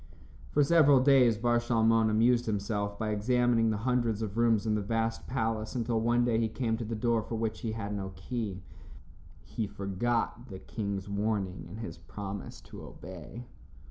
For several days Bar Shalmon amused himself by examining the hundreds of rooms in the vast palace until one day he came to the door for which he had no key. He forgot the king's warning and his promise to obey.